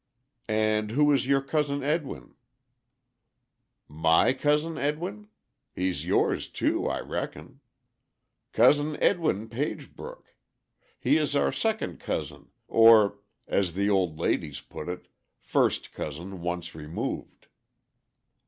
"And who is your Cousin Edwin?" "My Cousin Edwin? He's yours too, I reckon. Cousin Edwin Pagebrook. He is our second cousin or, as the old ladies put it, first cousin once removed."